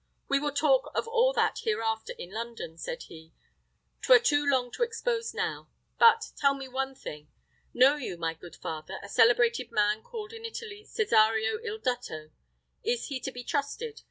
"We will talk of all that hereafter in London," said he; "'twere too long to expose now. But, tell me one thing: know you, my good father, a celebrated man called in Italy Cesario il dotto? Is he to be trusted?